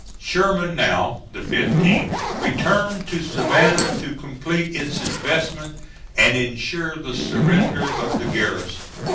Sherman now (the 15th) returned to Savannah to complete its investment and insure the surrender of the garrison.